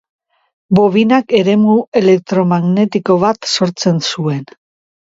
Bobinak eremu elektromagnetiko bat sortzen zuen.